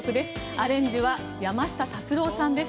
アレンジは山下達郎さんです。